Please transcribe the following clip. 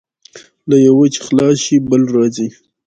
له یوه چې خلاص شې، بل راځي.